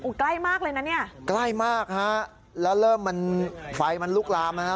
ใกล้มากเลยนะนี่ฮะแล้วเริ่มมันไฟมันลุกลามแล้ว